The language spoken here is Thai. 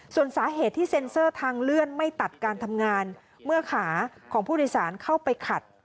ส่วนสาเหตุที่เซ็นเซอร์ทางเลื่อนไม่ตัดการทำงานเมื่อขาของผู้โดยสารเข้าไปขัด